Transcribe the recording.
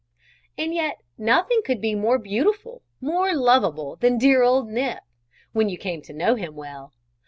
And yet nothing could be more beautiful, more loveable than dear old Nip, when you came to know him well.